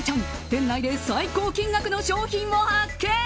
店内で最高金額の商品を発見。